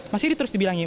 masih terus dibilangin